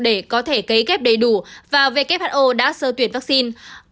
để có thể kế kép đầy đủ vào who đã sơ tuyển vaccine